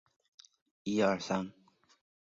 她背上都是严重的伤痕